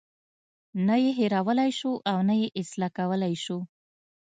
نه یې هیرولای شو او نه یې اصلاح کولی شو.